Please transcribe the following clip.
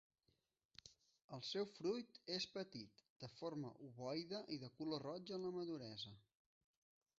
El seu fruit és petit, de forma ovoide i de color roig en la maduresa.